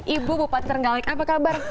ibu bupati terenggalek apa kabar